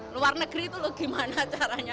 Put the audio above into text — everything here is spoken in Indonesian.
luar negeri itu loh gimana caranya